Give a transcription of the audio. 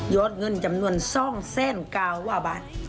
ยอดเงินจำนวนซ่องแซ่น๙บาท